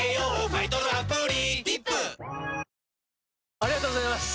ありがとうございます！